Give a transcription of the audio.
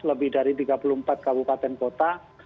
lebih dari tiga puluh empat kabupaten kota